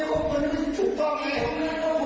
ก็แค่เปิดแค่นั้นเป็นอะไรวะ